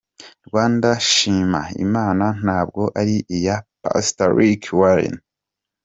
Rwanda Shima Imana ntabwo ari iya Pastor Rick Warren.